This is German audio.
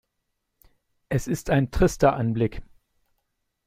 Es ist ein trister Anblick.